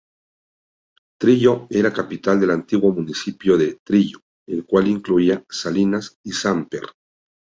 Trillo era capital del antiguo municipio de "Trillo", el cual incluía Salinas y Samper.